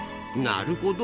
なるほど。